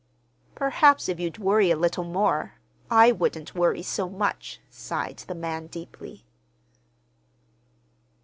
"Perhaps if you'd worry a little more, I wouldn't worry so much," sighed the man deeply.